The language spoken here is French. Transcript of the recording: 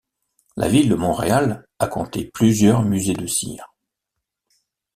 La ville de Montréal a compté plusieurs musées de cire.